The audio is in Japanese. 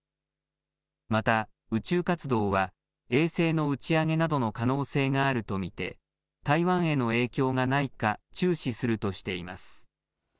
また、宇宙活動は、衛星の打ち上げなどの可能性があると見て、台湾への影響がないか、注視するとしています。